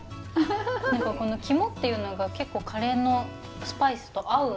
何かこの肝っていうのが結構カレーのスパイスと合うんですね。